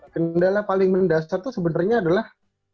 kendala paling mendasar itu sebenarnya adalah